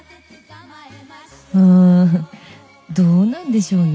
あどうなんでしょうね。